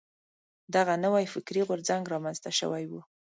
دغه نوی فکري غورځنګ را منځته شوی و.